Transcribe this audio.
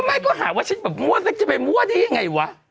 แม่ก็จะหาว่าฉันมั่วจะเป็นมั่วสิอย่างไรวะ